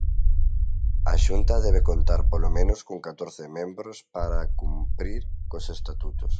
A xunta debe contar polo menos con catorce membros para cumprir cos estatutos.